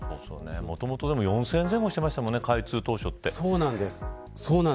もともと、４０００円前後してましたもんね、開通当初は。